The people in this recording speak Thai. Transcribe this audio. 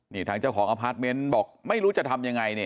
นี่ทางเจ้าของอาพาร์ทเมนท์บอกไม่รู้จะทำอย่างไร